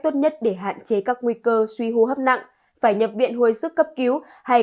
tốt nhất để hạn chế các nguy cơ suy hô hấp nặng phải nhập viện hồi sức cấp cứu hay